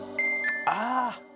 「ああ！」